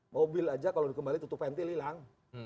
mobil aja kalau dikembali tutup venti hilang